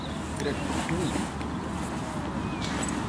Gratuíto.